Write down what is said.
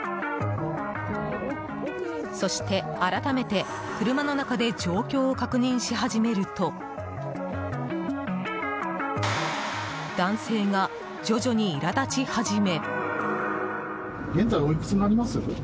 そして改めて車の中で状況を確認し始めると男性が、徐々に苛立ち始め。